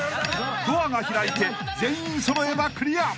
［ドアが開いて全員揃えばクリア］